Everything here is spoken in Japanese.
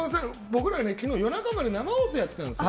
僕ら昨日、夜中まで生放送やってたんです。